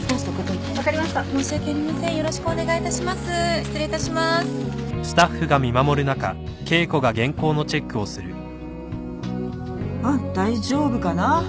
うん大丈夫かな。